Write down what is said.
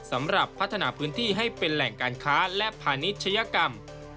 สำหรับพัฒนาพื้นที่ให้เป็นแหล่งการค้าและพาณิชยกรรม